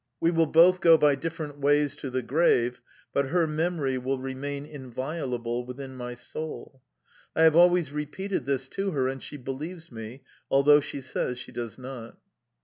We will both go by different ways to the grave, but her memory will remain inviolable within my soul. I have always repeated this to her, and she believes me, although she says she does not.